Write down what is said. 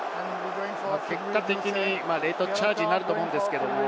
結果的にレイトチャージになると思うんですけれど。